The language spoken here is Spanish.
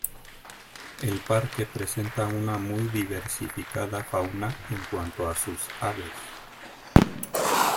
El parque presenta una muy diversificada fauna en cuanto a sus aves.